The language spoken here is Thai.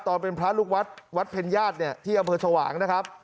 เป็นพระลูกวัดวัดเพ็ญญาติเนี่ยที่อำเภอชวางนะครับ